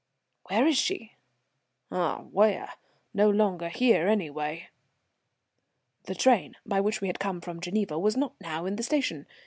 "Where is she?" "Ah, where? No longer here, anyway." The train by which we had come from Geneva was not now in the station.